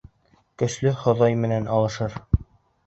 Көслө Хоҙай менән алышыр